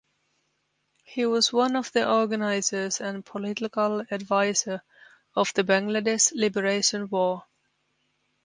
He was one of the organizers and political advisor of the Bangladesh Liberation War.